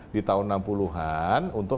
di tahun enam puluh an untuk membangun pancasila